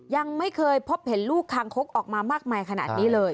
ยังไม่เคยพบเห็นลูกคางคกออกมามากมายขนาดนี้เลย